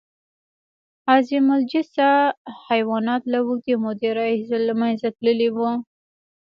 عظیم الجثه حیوانات له اوږدې مودې راهیسې له منځه تللي وو.